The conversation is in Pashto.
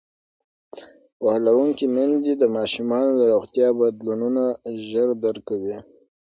پوهه لرونکې میندې د ماشومانو د روغتیا بدلونونه ژر درک کوي.